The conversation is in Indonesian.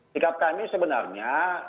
sikap kami sebenarnya